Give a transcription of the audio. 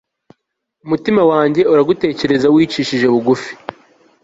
Umutima wanjye uragutekereza wicishije bugufi